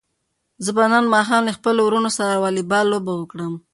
زه به نن ماښام له خپلو وروڼو سره واليبال لوبه وکړم.